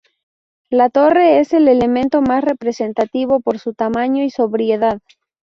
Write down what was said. La torre es el elemento más representativo por su tamaño y sobriedad.